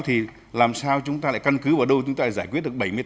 thì làm sao chúng ta lại căn cứ vào đâu chúng ta giải quyết được bảy mươi tám